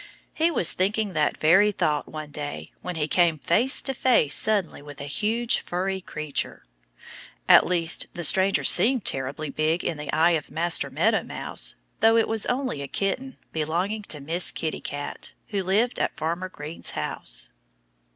He was thinking that very thought one day when he came face to face suddenly with a huge, furry creature. At least the stranger seemed terribly big in the eyes of Master Meadow Mouse, though it was only a kitten belonging to Miss Kitty Cat, who lived at Farmer Green's house.